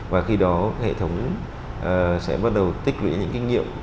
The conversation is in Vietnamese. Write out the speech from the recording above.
và khi đó hệ thống sẽ bắt đầu tích lũy những kinh nghiệm